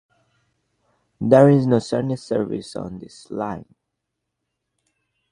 There is no Sunday service on this line.